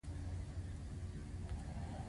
دا مقاومت له چوپتیا سره توپیر لري.